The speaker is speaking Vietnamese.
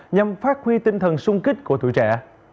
nhằm phát huy tinh thần sung kích của tuổi trẻ